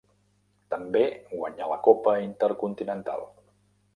També guanyà la copa Intercontinental.